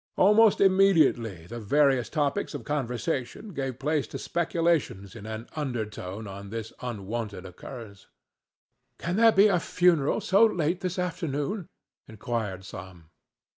Almost immediately the various topics of conversation gave place to speculations in an undertone on this unwonted occurrence. "Can there be a funeral so late this afternoon?" inquired some.